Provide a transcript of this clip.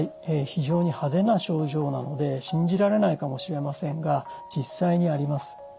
非常に派手な症状なので信じられないかもしれませんが実際にあります。